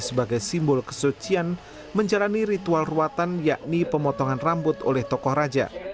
sebagai simbol kesucian menjalani ritual ruatan yakni pemotongan rambut oleh tokoh raja